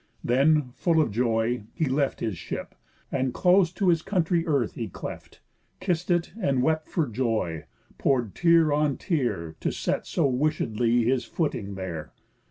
Then, full of joy, he left His ship, and close t' his country earth he cleft, Kiss'd it, and wept for joy, pour'd tear on tear, To set so wishedly his footing there.